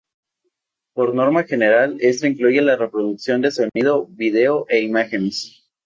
Por norma general, esto incluye la reproducción de sonido, vídeo e imágenes.